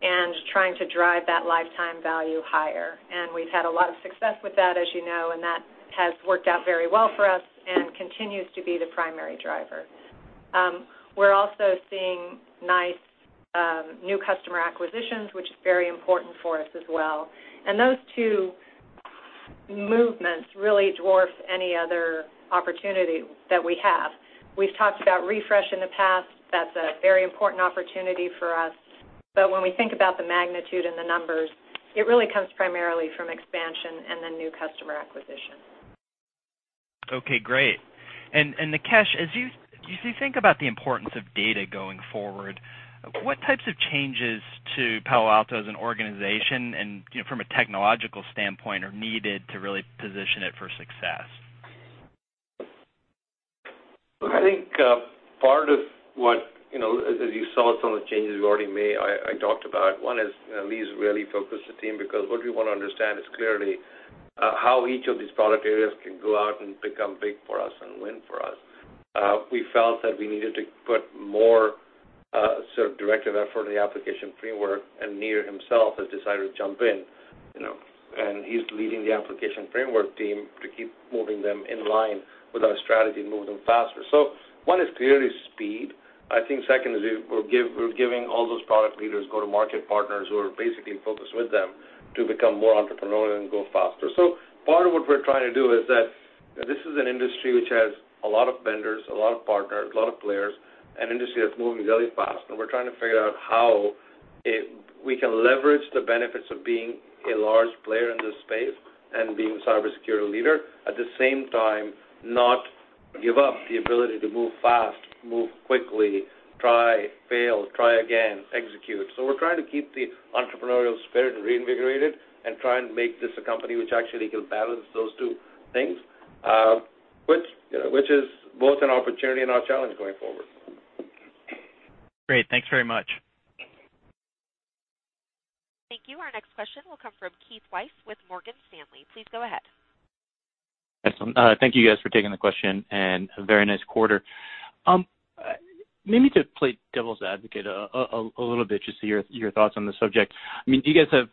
and trying to drive that lifetime value higher. We've had a lot of success with that, as you know, and that has worked out very well for us and continues to be the primary driver. We're also seeing nice new customer acquisitions, which is very important for us as well. Those two movements really dwarf any other opportunity that we have. We've talked about refresh in the past. That's a very important opportunity for us. When we think about the magnitude and the numbers, it really comes primarily from expansion and then new customer acquisition. Okay, great. Nikesh, as you think about the importance of data going forward, what types of changes to Palo Alto Networks as an organization and from a technological standpoint are needed to really position it for success? I think part of what, as you saw some of the changes we already made, I talked about. One is Lee Klarich's really focused the team because what we want to understand is clearly how each of these product areas can go out and become big for us and win for us. We felt that we needed to put more sort of directive effort in the Application Framework, and Nir Zuk himself has decided to jump in. He's leading the Application Framework team to keep moving them in line with our strategy and move them faster. One is clearly speed. I think second is we're giving all those product leaders go-to-market partners who are basically focused with them to become more entrepreneurial and go faster. Part of what we're trying to do is that this is an industry which has a lot of vendors, a lot of partners, a lot of players, an industry that's moving really fast, and we're trying to figure out how we can leverage the benefits of being a large player in this space and being a cybersecurity leader. At the same time, not give up the ability to move fast, move quickly, try, fail, try again, execute. We're trying to keep the entrepreneurial spirit reinvigorated and try and make this a company which actually can balance those two things, which is both an opportunity and our challenge going forward. Great. Thanks very much. Thank you. Our next question will come from Keith Weiss with Morgan Stanley. Please go ahead. Awesome. Thank you guys for taking the question. A very nice quarter. Maybe to play devil's advocate a little bit, just to hear your thoughts on the subject. You guys have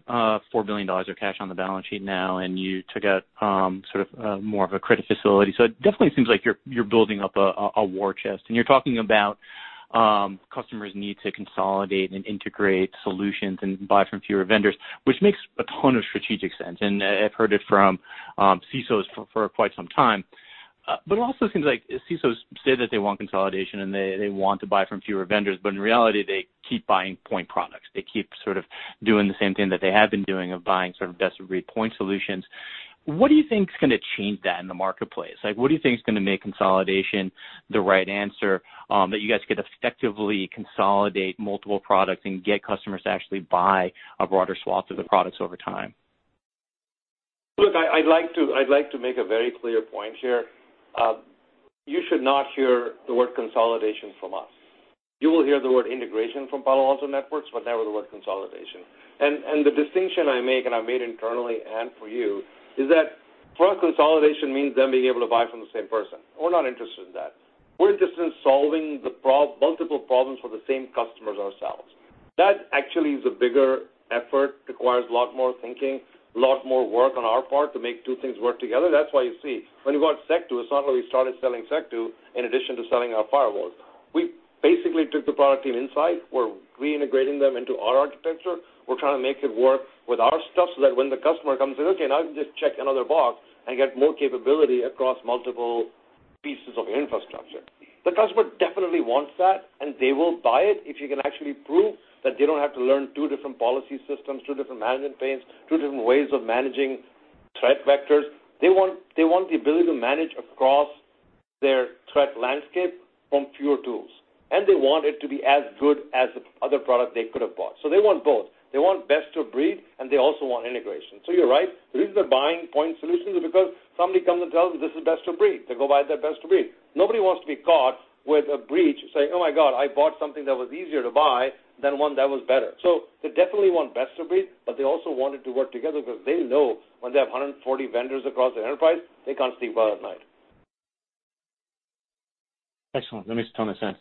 $4 billion of cash on the balance sheet now, and you took out sort of more of a credit facility. It definitely seems like you're building up a war chest, and you're talking about customers' need to consolidate and integrate solutions and buy from fewer vendors, which makes a ton of strategic sense, and I've heard it from CISOs for quite some time. It also seems like CISOs say that they want consolidation and they want to buy from fewer vendors, but in reality, they keep buying point products. They keep sort of doing the same thing that they have been doing of buying sort of best-of-breed point solutions. What do you think is going to change that in the marketplace? What do you think is going to make consolidation the right answer that you guys could effectively consolidate multiple products and get customers to actually buy a broader swath of the products over time? Look, I'd like to make a very clear point here. You should not hear the word consolidation from us. You will hear the word integration from Palo Alto Networks, but never the word consolidation. The distinction I make, and I've made internally and for you, is that for us, consolidation means them being able to buy from the same person. We're not interested in that. We're interested in solving multiple problems for the same customers ourselves. That actually is a bigger effort, requires a lot more thinking, a lot more work on our part to make two things work together. That's why you see when we got Secdo, it's not where we started selling Secdo in addition to selling our firewalls. We basically took the product team [Insight]. We're reintegrating them into our architecture. We're trying to make it work with our stuff so that when the customer comes in, okay, now you can just check another box and get more capability across multiple pieces of infrastructure. The customer definitely wants that, and they will buy it if you can actually prove that they don't have to learn two different policy systems, two different management planes, two different ways of managing threat vectors. They want the ability to manage across their threat landscape from fewer tools, and they want it to be as good as the other product they could have bought. They want both. They want best of breed, and they also want integration. You're right. The reason they're buying point solutions is because somebody comes and tells them this is best of breed. They go buy their best of breed. Nobody wants to be caught with a breach saying, "Oh, my God, I bought something that was easier to buy than one that was better." They definitely want best of breed, but they also want it to work together because they know when they have 140 vendors across the enterprise, they can't sleep well at night. Excellent. That makes a ton of sense.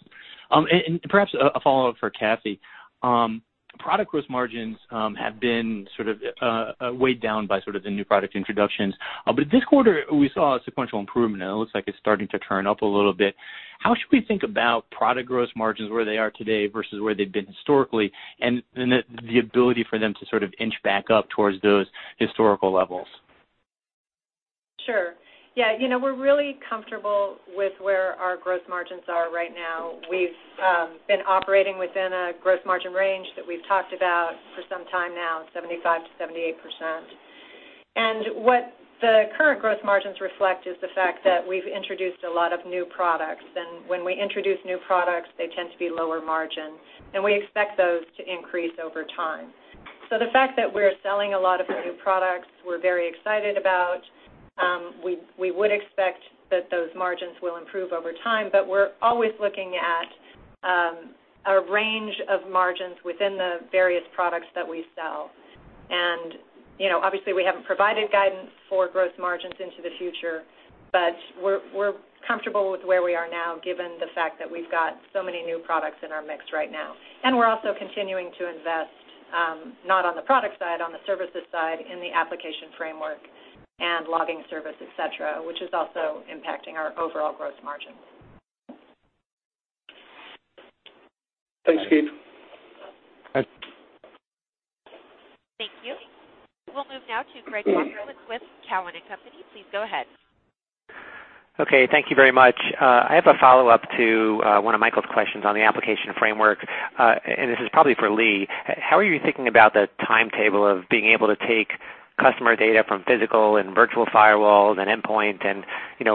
Perhaps a follow-up for Kathy. Product gross margins have been sort of weighed down by sort of the new product introductions. This quarter, we saw a sequential improvement, and it looks like it's starting to turn up a little bit. How should we think about product gross margins, where they are today versus where they've been historically, and the ability for them to sort of inch back up towards those historical levels? Sure. Yeah. We're really comfortable with where our gross margins are right now. We've been operating within a gross margin range that we've talked about for some time now, 75%-78%. What the current gross margins reflect is the fact that we've introduced a lot of new products. When we introduce new products, they tend to be lower margin, and we expect those to increase over time. The fact that we're selling a lot of new products, we're very excited about. We would expect that those margins will improve over time, but we're always looking at a range of margins within the various products that we sell. Obviously, we haven't provided guidance for gross margins into the future, but we're comfortable with where we are now, given the fact that we've got so many new products in our mix right now. We're also continuing to invest, not on the product side, on the services side, in the Application Framework and Logging Service, et cetera, which is also impacting our overall gross margin. Thanks, Keith. Thanks. Thank you. We'll move now to Gregg Moskowitz with Cowen and Company. Please go ahead. Okay. Thank you very much. I have a follow-up to one of Michael's questions on the Application Framework. This is probably for Lee. How are you thinking about the timetable of being able to take customer data from physical and virtual firewalls and endpoint and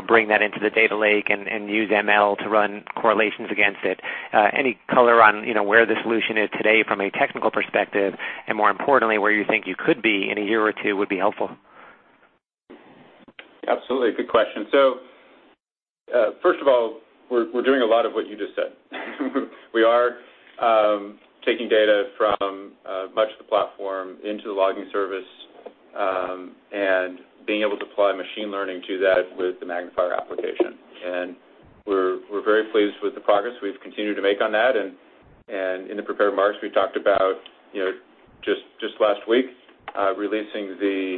bring that into the data lake and use ML to run correlations against it? Any color on where the solution is today from a technical perspective, and more importantly, where you think you could be in a year or two would be helpful. Absolutely. Good question. First of all, we're doing a lot of what you just said. We are taking data from much of the platform into the Logging Service, and being able to apply machine learning to that with the Magnifier application. We're very pleased with the progress we've continued to make on that, in the prepared remarks we talked about just last week, releasing the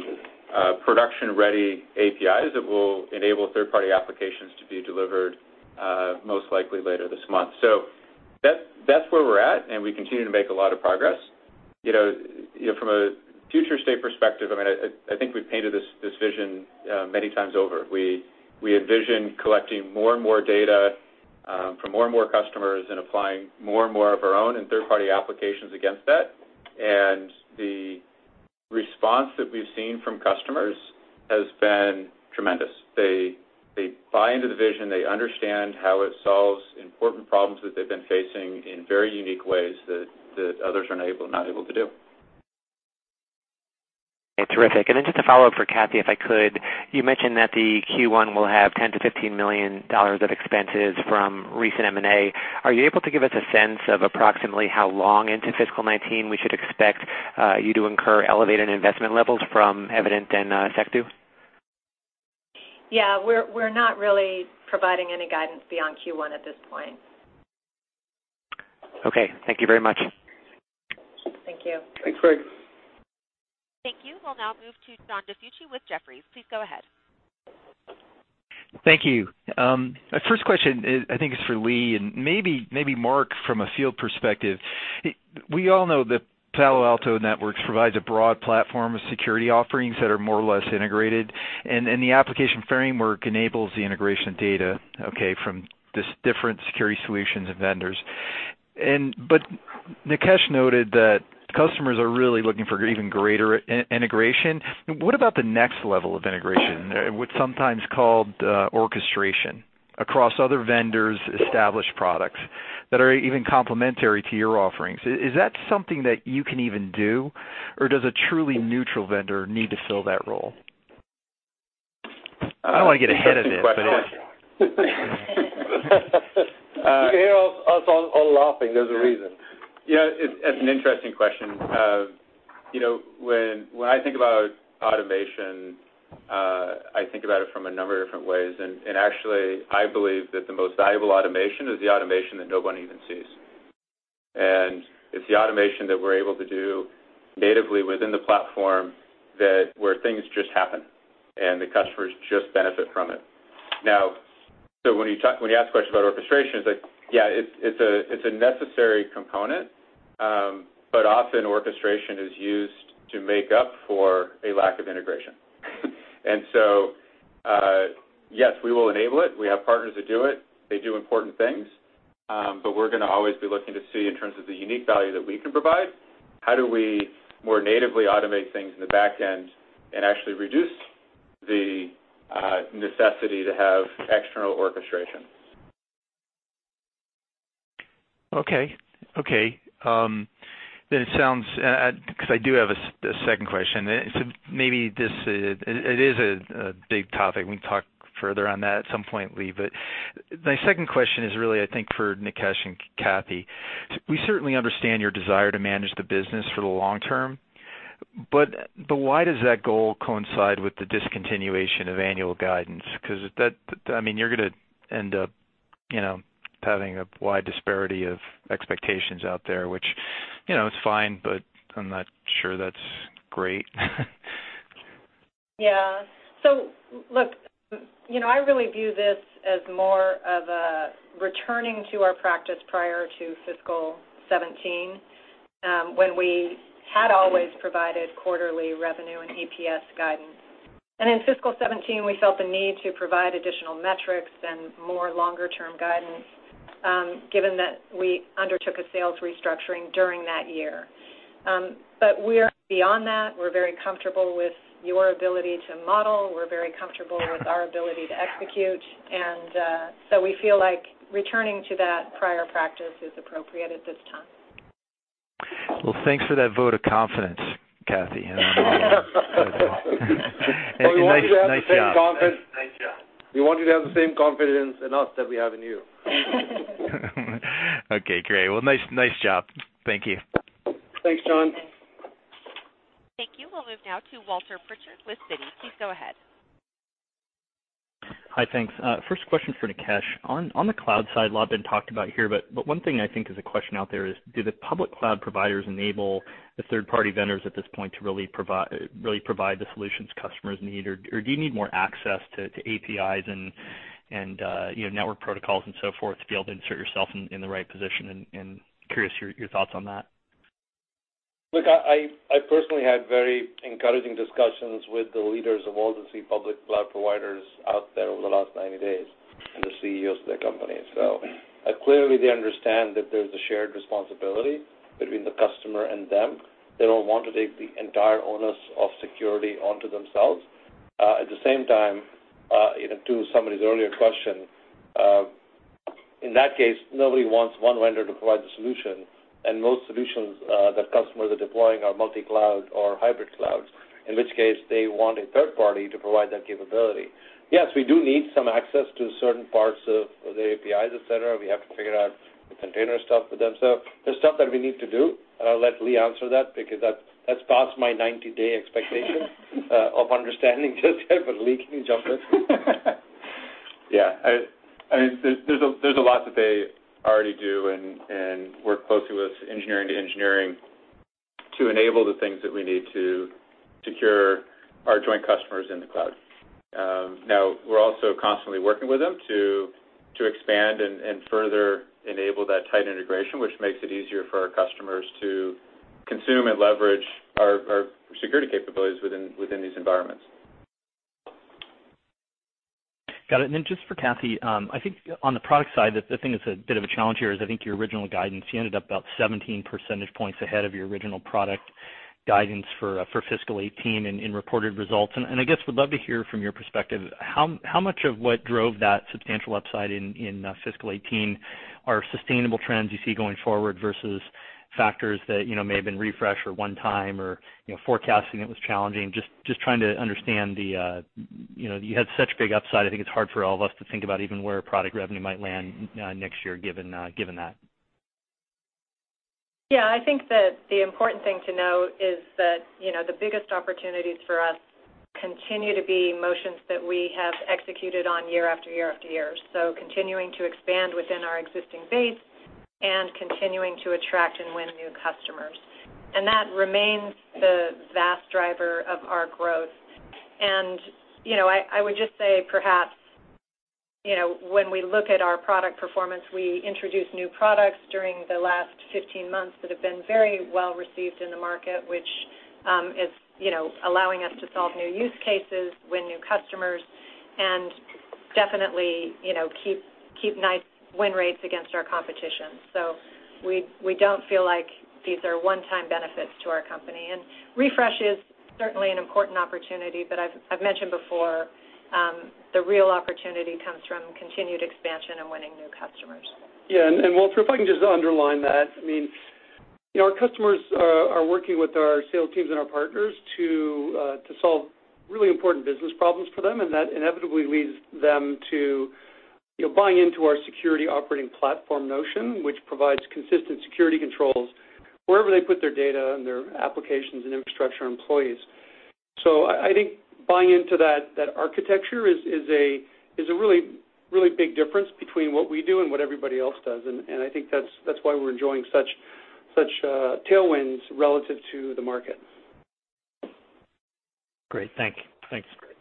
production-ready APIs that will enable third-party applications to be delivered, most likely later this month. That's where we're at, and we continue to make a lot of progress. From a future state perspective, I think we've painted this vision many times over. We envision collecting more and more data from more and more customers and applying more and more of our own and third-party applications against that. The response that we've seen from customers has been tremendous. They buy into the vision. They understand how it solves important problems that they've been facing in very unique ways that others are not able to do. Terrific. Just a follow-up for Kathy, if I could. You mentioned that the Q1 will have $10 million-$15 million of expenses from recent M&A. Are you able to give us a sense of approximately how long into fiscal 2019 we should expect you to incur elevated investment levels from Evident and Secdo? We're not really providing any guidance beyond Q1 at this point. Okay. Thank you very much. Thank you. Thanks, Gregg. Thank you. We'll now move to John DiFucci with Jefferies. Please go ahead. Thank you. My first question I think is for Lee Klarich, and maybe Mark Anderson from a field perspective. We all know that Palo Alto Networks provides a broad platform of security offerings that are more or less integrated, and the Application Framework enables the integration of data, okay, from these different security solutions and vendors. Nikesh Arora noted that customers are really looking for even greater integration. What about the next level of integration, what's sometimes called orchestration, across other vendors' established products that are even complementary to your offerings? Is that something that you can even do? Or does a truly neutral vendor need to fill that role? Interesting question. You hear us all laughing, there's a reason. Yeah, it's an interesting question. When I think about automation, I think about it from a number of different ways. Actually, I believe that the most valuable automation is the automation that no one even sees. It's the automation that we're able to do natively within the platform, where things just happen, and the customers just benefit from it. When you ask questions about orchestration, it's like, yeah, it's a necessary component, but often orchestration is used to make up for a lack of integration. Yes, we will enable it. We have partners that do it. They do important things. We're going to always be looking to see in terms of the unique value that we can provide, how do we more natively automate things in the back end and actually reduce the necessity to have external orchestration? I do have a second question. It is a big topic. We can talk further on that at some point, Lee. My second question is really, I think for Nikesh and Kathy. We certainly understand your desire to manage the business for the long term. Why does that goal coincide with the discontinuation of annual guidance? You're going to end up having a wide disparity of expectations out there, which is fine, but I'm not sure that's great. I really view this as more of a returning to our practice prior to fiscal 2017, when we had always provided quarterly revenue and EPS guidance. In fiscal 2017, we felt the need to provide additional metrics and more longer-term guidance, given that we undertook a sales restructuring during that year. We're beyond that. We're very comfortable with your ability to model. We're very comfortable with our ability to execute. We feel like returning to that prior practice is appropriate at this time. Thanks for that vote of confidence, Kathy. Nice job. We want you to have the same confidence in us that we have in you. Okay, great. Well, nice job. Thank you. Thanks, John. Thank you. We'll move now to Walter Pritchard with Citi. Please go ahead. Hi, thanks. First question for Nikesh. On the cloud side, a lot been talked about here, but one thing I think is a question out there is, do the public cloud providers enable the third-party vendors at this point to really provide the solutions customers need? Or do you need more access to APIs and network protocols and so forth to be able to insert yourself in the right position? Curious your thoughts on that. Look, I personally had very encouraging discussions with the leaders of all the C public cloud providers out there over the last 90 days, and the CEOs of their companies. Clearly, they understand that there's a shared responsibility between the customer and them. They don't want to take the entire onus of security onto themselves. At the same time, to somebody's earlier question In that case, nobody wants one vendor to provide the solution, and most solutions that customers are deploying are multi-cloud or hybrid clouds, in which case they want a third party to provide that capability. Yes, we do need some access to certain parts of the APIs, et cetera. We have to figure out the container stuff for them. There's stuff that we need to do. I'll let Lee answer that because that's past my 90-day expectation of understanding just yet, but Lee, can you jump in? There's a lot that they already do, and work closely with engineering to enable the things that we need to secure our joint customers in the cloud. We're also constantly working with them to expand and further enable that tight integration, which makes it easier for our customers to consume and leverage our security capabilities within these environments. Got it. Just for Kathy, I think on the product side, the thing that's a bit of a challenge here is I think your original guidance, you ended up about 17 percentage points ahead of your original product guidance for fiscal 2018 in reported results. I guess, would love to hear from your perspective, how much of what drove that substantial upside in fiscal 2018 are sustainable trends you see going forward versus factors that may have been refresh or one time or forecasting that was challenging? Just trying to understand. You had such big upside, I think it's hard for all of us to think about even where product revenue might land next year, given that. I think that the important thing to note is that the biggest opportunities for us continue to be motions that we have executed on year after year after year. Continuing to expand within our existing base and continuing to attract and win new customers. That remains the vast driver of our growth. I would just say perhaps, when we look at our product performance, we introduced new products during the last 15 months that have been very well-received in the market, which is allowing us to solve new use cases, win new customers, and definitely keep nice win rates against our competition. We don't feel like these are one-time benefits to our company. Refresh is certainly an important opportunity, but I've mentioned before, the real opportunity comes from continued expansion and winning new customers. Walter, if I can just underline that. Our customers are working with our sales teams and our partners to solve really important business problems for them, and that inevitably leads them to buying into our security operating platform notion, which provides consistent security controls wherever they put their data and their applications and infrastructure employees. I think buying into that architecture is a really big difference between what we do and what everybody else does, and I think that's why we're enjoying such tailwinds relative to the market. Great. Thank you. That's great. Thanks.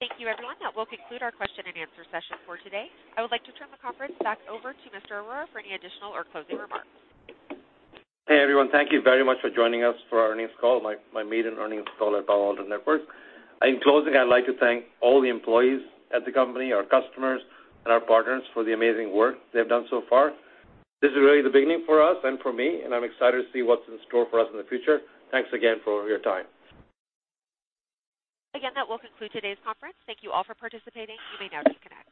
Thank you, everyone. That will conclude our question and answer session for today. I would like to turn the conference back over to Mr. Arora for any additional or closing remarks. Hey, everyone. Thank you very much for joining us for our earnings call, my maiden earnings call at Palo Alto Networks. In closing, I'd like to thank all the employees at the company, our customers, and our partners for the amazing work they have done so far. This is really the beginning for us and for me, and I'm excited to see what's in store for us in the future. Thanks again for your time. That will conclude today's conference. Thank you all for participating. You may now disconnect.